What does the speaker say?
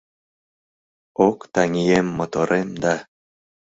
Ок, таҥием, моторем да